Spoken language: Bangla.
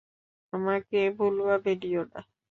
আমাকে ভুলভাবে নিও না।